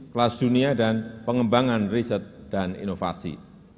kelas dunia dan pengembangan riset dan inovasi